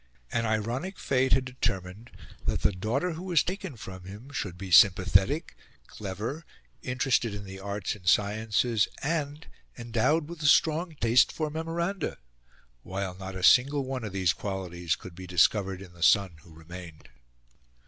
An ironic fate had determined that the daughter who was taken from him should be sympathetic, clever, interested in the arts and sciences, and endowed with a strong taste for memoranda, while not a single one of these qualities could be discovered in the son who remained.